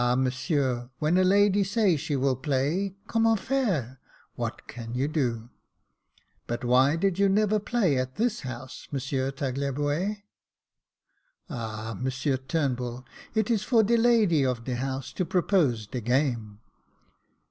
Monsieur, when a lady say she will play, com ment faire, what can you do ?"" But why did you never play at this house. Monsieur Tagliabue ?"" Ah ! Monsieur Turnbull, it is for de lady of de house to propose de game."